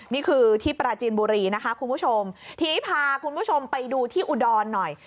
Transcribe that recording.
นี่คือที่ปราจีนบุรีนะคะคุณผู้ชมทีนี้พาคุณผู้ชมไปดูที่อุดรหน่อย